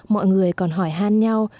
mọi người còn hỏi han nhau